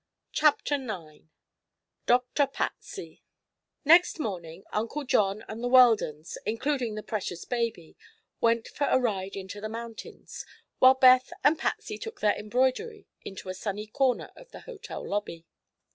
CHAPTER IX DOCTOR PATSY Next morning Uncle John and the Weldons including the precious baby went for a ride into the mountains, while Beth and Patsy took their embroidery into a sunny corner of the hotel lobby.